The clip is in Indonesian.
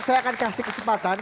saya akan kasih kesempatan